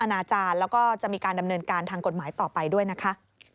นาจารย์แล้วก็จะมีการดำเนินการทางกฎหมายต่อไปด้วยนะคะ